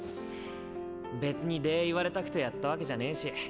別に礼言われたくてやったわけじゃねぇし。